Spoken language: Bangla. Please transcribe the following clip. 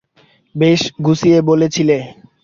বেশ গুছিয়ে বলেছিলে।